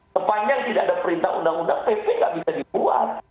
sepanjang tidak ada perintah undang undang pp nggak bisa dibuat